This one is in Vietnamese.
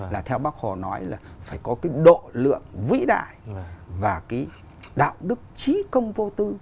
là theo bác hồ nói là phải có cái độ lượng vĩ đại và cái đạo đức trí công vô tư